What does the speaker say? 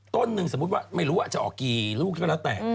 ต้นหนึ่งสมมุติว่าไม่รู้ว่าจะออกกี่ลูกก็แล้วแต่